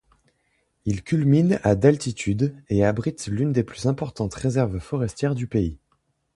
Il culmine à d'altitude et abrite l'une des plus importantes réserves forestières du pays.